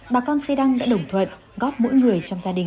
bà con si đăng đã đồng thuận góp mỗi người trong gia đình năm trăm linh đồng